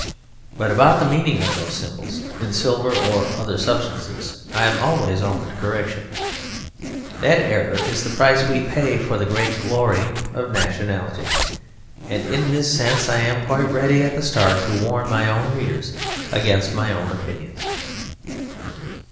But about the meaning of those symbols, in silver or other substances, I am always open to correction. That error is the price we pay for the great glory of nationality. And in this sense I am quite ready, at the start, to warn my own readers against my own opinions.